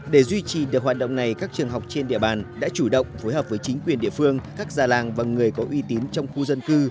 để duy trì được hoạt động này các trường học trên địa bàn đã chủ động phối hợp với chính quyền địa phương các già làng và người có uy tín trong khu dân cư